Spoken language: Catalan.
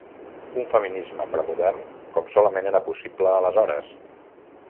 Un feminisme premodern, com solament era possible aleshores.